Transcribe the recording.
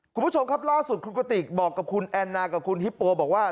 คุณผู้ชมครับล่าสุดคุณกติกบอกกับคุณแอนนากับคุณฮิปโปบอกว่า